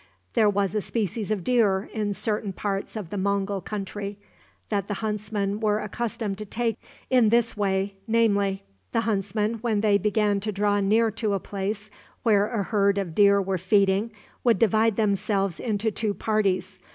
There was a species of deer, in certain parts of the Mongul country, that the huntsmen were accustomed to take in this way, namely: The huntsmen, when they began to draw near to a place where a herd of deer were feeding, would divide themselves into two parties.